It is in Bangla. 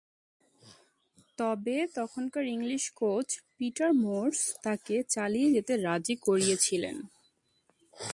তবে তখনকার ইংলিশ কোচ পিটার মুরস তাঁকে চালিয়ে যেতে রাজি করিয়েছিলেন।